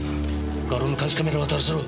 画廊の監視カメラを当たらせろ！